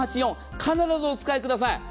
必ずお伝えください。